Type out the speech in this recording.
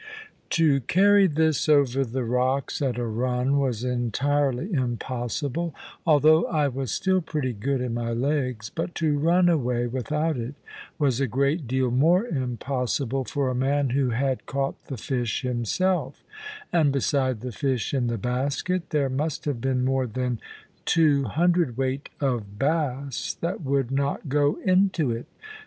To carry this over the rocks at a run was entirely impossible (although I was still pretty good in my legs), but to run away without it was a great deal more impossible for a man who had caught the fish himself; and beside the fish in the basket, there must have been more than two hundredweight of bass that would not go into it.